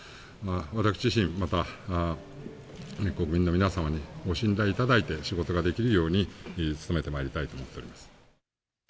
私自身、また国民の皆様にご信頼いただいて、仕事ができるように努めてまいりたいと思っております。